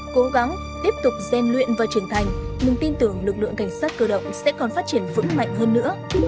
cố gắng tiếp tục gian luyện và trưởng thành nhưng tin tưởng lực lượng cảnh sát cơ động sẽ còn phát triển vững mạnh hơn nữa